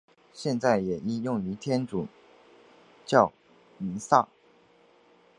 现在也应用于天主教弥撒。